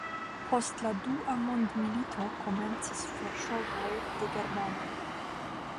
Post la dua mondmilito komencis forŝovoj de germanoj.